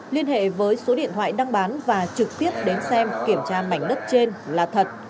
liên hệ với số điện thoại đăng bán và trực tiếp đến xem kiểm tra mảnh đất trên là thật